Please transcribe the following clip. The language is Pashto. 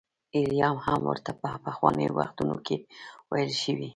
ایلیا هم ورته په پخوانیو وختونو کې ویل شوي.